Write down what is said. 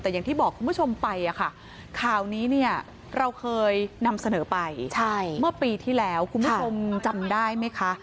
แต่อย่างที่บอกคุณผู้ชมไปค่ะข่าวนี้เนี่ยเราเคยนำเสนอไปเมื่อปีที่แล้วคุณผู้ชมจำได้ไหมคะ